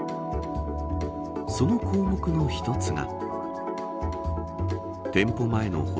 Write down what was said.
その項目の一つが。